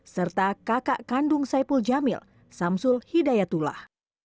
serta kakak kandung saipul jamil samsul hidayatullah